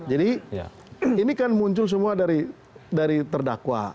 jadi ini kan muncul semua dari terdakwa